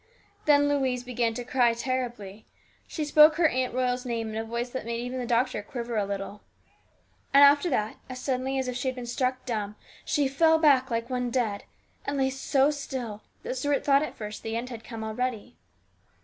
Then Louise began to cry terribly. She spoke her Aunt Royal's name in a voice that made even the doctor quiver a little. And after that, as suddenly as if she had been struck dumb, she fell back like one dead, and lay so still that Stuart thought at first the end had come already.